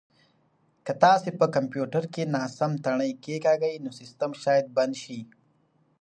که تاسي په کمپیوټر کې ناسم تڼۍ کېکاږئ نو سیسټم شاید بند شي.